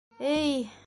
Э-й-й!